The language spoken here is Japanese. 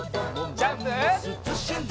ジャンプ！